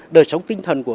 đời sống tinh thần của